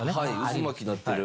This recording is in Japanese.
渦巻きになってる。